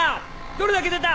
どれだけ出た？